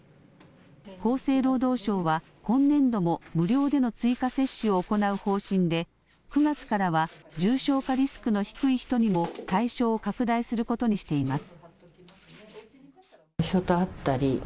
厚生労働省は今年度も無料での追加接種を行う方針で９月からは重症化リスクの低い人にも対象を拡大することにしています。